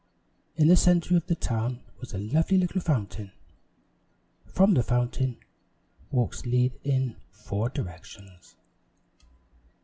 In the center of the town was a lovely little fountain. From the fountain, walks led in four directions.